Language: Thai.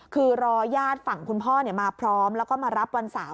คือรอญาติฝั่งคุณพ่อมาพร้อมแล้วก็มารับวันเสาร์